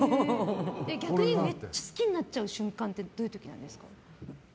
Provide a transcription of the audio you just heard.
逆にめっちゃ好きになっちゃう瞬間ってどういう時なんですか。